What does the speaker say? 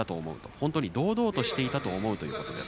本当に堂々としていたと思うということです。